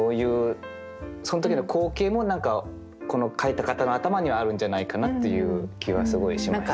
その時の光景も何かこの書いた方の頭にはあるんじゃないかなっていう気はすごいしましたね。